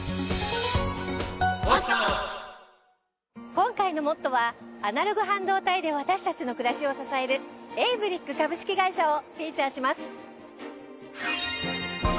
今回の『ＭＯＴＴＯ！！』はアナログ半導体で私たちの暮らしを支えるエイブリック株式会社をフィーチャーします。